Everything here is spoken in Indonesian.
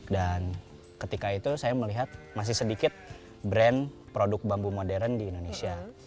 dan ketika itu saya melihat masih sedikit brand produk bambu modern di indonesia